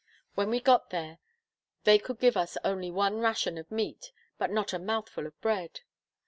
When we got there, they could give us only one ration of meat, but not a mouthful of bread.